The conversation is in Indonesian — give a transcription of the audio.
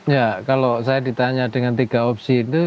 ya kalau saya ditanya dengan tiga opsi itu